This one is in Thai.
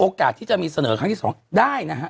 โอกาสที่จะมีเสนอครั้งที่สองได้นะฮะ